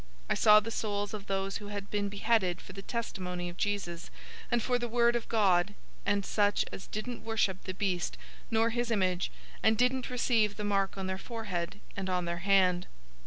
I saw the souls of those who had been beheaded for the testimony of Jesus, and for the word of God, and such as didn't worship the beast nor his image, and didn't receive the mark on their forehead and on their hand.